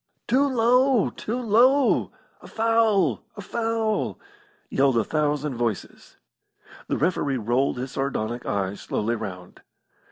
"Too low! Too low! A foul! A foul!" yelled a thousand voices. The referee rolled his sardonic eyes slowly round.